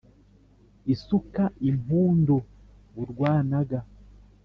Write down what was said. isuka impundu urwanaga.